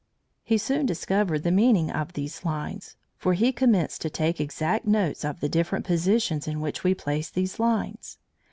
He soon discovered the meaning of these lines, for he commenced to take exact notes of the different positions in which we placed these lines.